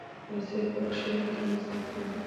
رسۍ په کښلو کې مرسته کوي.